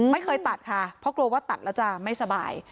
ไม่เคยตัดค่ะเพราะกลัวว่าตัดแล้วจะไม่สบาย